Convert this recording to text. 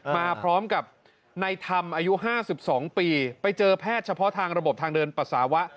มาพร้อมกับในธรรมอายุ๕๒ปีไปเจอแพทย์เฉพาะทางระบบทางเดินปัสสาวะ